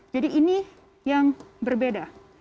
jadi ini yang berbeda